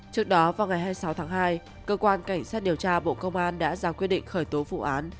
trước đó vào ngày hai mươi sáu tháng hai cơ quan cảnh sát điều tra bộ công an đã ra quyết định khởi tố vụ án